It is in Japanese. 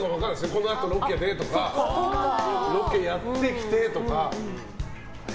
このあとロケでとかロケやってきてとか。